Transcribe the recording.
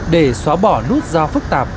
để xóa bỏ nút giao phức tạp